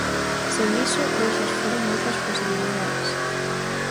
Sen iso deixas fóra moitas posibilidades.